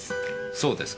そうですか。